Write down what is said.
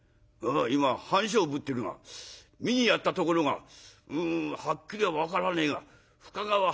今半鐘ぶってるが見にやったところがうんはっきりは分からねえが深川蛤町。